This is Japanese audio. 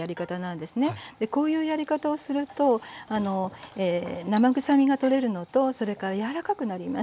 こういうやり方をすると生ぐさみが取れるのとそれから柔らかくなります。